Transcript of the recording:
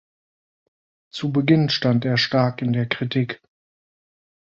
Zu Beginn stand er stark in der Kritik.